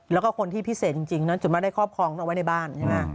แล้วก็คนที่พิเศษจริงจนมาได้ครอบครองเอาไว้ในบ้าน